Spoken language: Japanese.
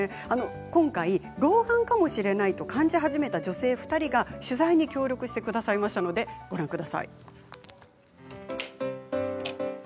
今回、老眼かもしれないと感じ始めた女性２人が取材に協力してくださいましたので、ご覧ください。